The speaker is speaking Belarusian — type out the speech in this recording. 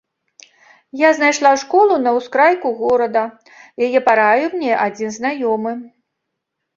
Я знайшла школу на ўскрайку горада, яе параіў мне адзін знаёмы.